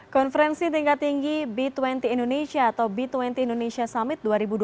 konferensi tingkat tinggi b dua puluh indonesia atau b dua puluh indonesia summit dua ribu dua puluh